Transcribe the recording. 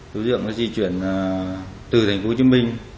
đối tượng đã di chuyển từ thành phố hồ chí minh